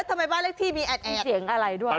เอ๊ะทำไมบ้านเล็กที่มีแอดแอด